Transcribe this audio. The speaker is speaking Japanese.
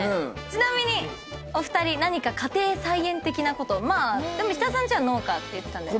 ちなみにお二人何か家庭菜園的なことまあでも石田さんちは農家って言ってたんで。